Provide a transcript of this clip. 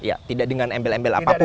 ya tidak dengan embel embel apapun